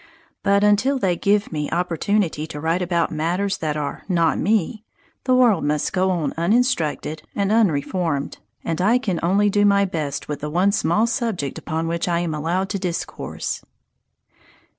But until they give me opportunity to write about matters that are not me, the world must go on uninstructed and unreformed, and I can only do my best with the one small subject upon which I am allowed to discourse.